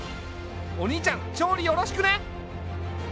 お兄ちゃん調理よろしくね！